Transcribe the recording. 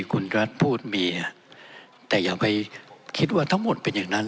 คุณรัฐพูดเมียแต่อย่าไปคิดว่าทั้งหมดเป็นอย่างนั้น